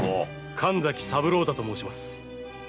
神崎三郎太と申します。